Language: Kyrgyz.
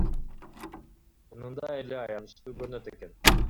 Чынында эле аянычтуу көрүнөт экен.